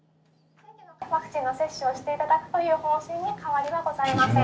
ワクチンの接種をしていただくという方針に変わりはございません。